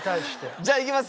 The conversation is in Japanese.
じゃあいきます。